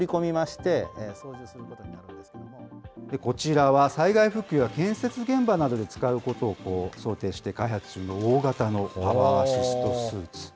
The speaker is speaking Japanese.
こちらは災害復旧や建設現場などで使うことを想定して開発中の大型のパワーアシストスーツ。